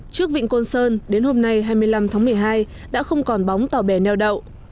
trước vịnh côn sơn đến hôm nay hai mươi năm tháng một mươi hai đã không còn bóng tàu bè neo đậu